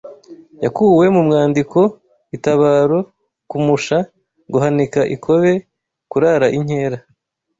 yakuwe mu mwandiko itabaro kumasha guhanika ikobe kurara inkera